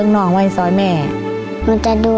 ลองกันถามอีกหลายเด้อ